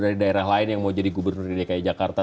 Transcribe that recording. dari daerah lain yang mau jadi gubernur dki jakarta